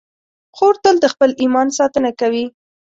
خور تل د خپل ایمان ساتنه کوي.